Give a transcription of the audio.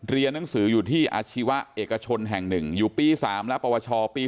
เรียนหนังสืออยู่ที่อาชีวะเอกชนแห่ง๑อยู่ปี๓และปวชปี๒